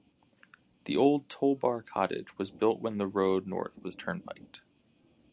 The old Toll Bar Cottage was built when the road north was turnpiked.